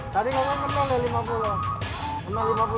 tadi ngomong kembali lima puluh